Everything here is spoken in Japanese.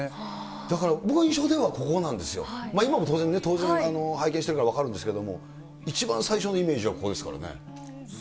だから僕の印象ではここなんですよ、今も当然ね、当然、拝見しているから分かるんですけど、一番最初のイメージはここですからね。